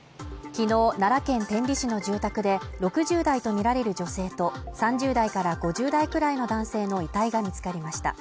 昨日奈良県天理市の住宅で６０代とみられる女性と３０代から５０代くらいの男性の遺体が見つかりました